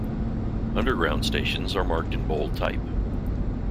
Underground stations are marked in bold type.